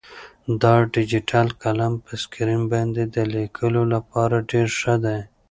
دا ډیجیټل قلم په سکرین باندې د لیکلو لپاره ډېر ښه دی.